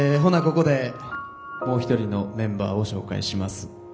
ここでもう一人のメンバーを紹介します。